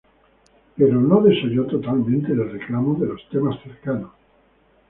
Pero no desoyó totalmente el reclamo de los temas cercanos.